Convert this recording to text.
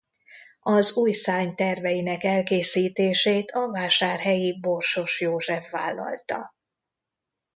Az új szárny terveinek elkészítését a vásárhelyi Borsos József vállalta.